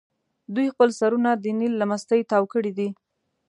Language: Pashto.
دوی خپل سرونه د نیل له مستۍ تاو کړي دي.